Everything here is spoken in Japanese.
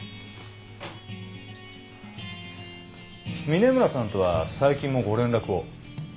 峰村さんとは最近もご連絡を？